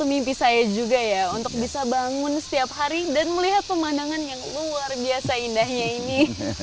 mimpi saya juga ya untuk bisa bangun setiap hari dan melihat pemandangan yang luar biasa indahnya ini